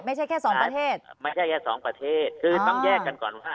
ไม่ใช่แค่สองประเทศไม่ใช่แค่สองประเทศคือต้องแยกกันก่อนว่า